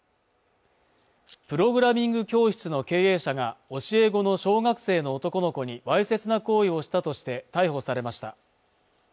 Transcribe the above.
プログラミング教室の経営者が教え子の小学生の男の子にわいせつな行為をしたとして逮捕されました